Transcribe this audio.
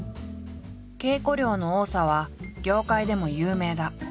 稽古量の多さは業界でも有名だ。